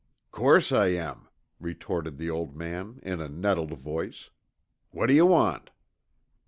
"Course I am," retorted the old man in a nettled voice. "What d'you want?"